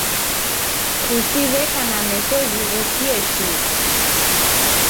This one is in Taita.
Pusi w'eka na meso ghighokie shuu